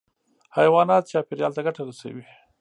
حیوانات چاپېریال ته ګټه رسوي.